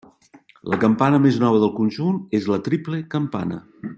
La campana més nova del conjunt és la triple campana.